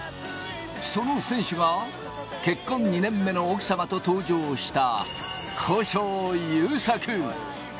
その選手が結婚２年目の奥様と登場した古性優作。